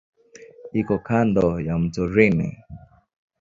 Iko kando ya mto Rhine.